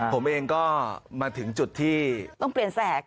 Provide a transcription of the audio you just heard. ผมเองก็มาถึงจุดที่ต้องเปลี่ยนแสก